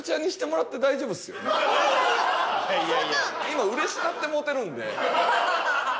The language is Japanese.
今うれしなってもうてるんで。